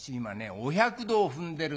お百度を踏んでるんだよ。